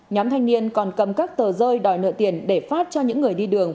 nhóm thanh niên còn cầm các tờ rơi đòi nợ tiền để phát cho những người đi đường